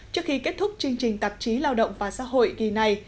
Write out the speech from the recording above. trước khi kết thúc chương trình tạp chí lao động và xã hội kỳ này